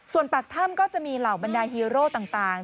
ส่วนปากถ้ำก็จะมีเหล่าบรรดาฮีโร่ต่าง